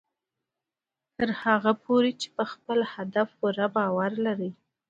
تر هغه پورې چې په خپل هدف پوره باور لرئ